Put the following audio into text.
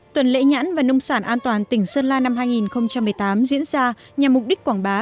tuần lễ nhãn và nông sản an toàn tỉnh sơn la năm hai nghìn một mươi tám diễn ra nhằm mục đích quảng bá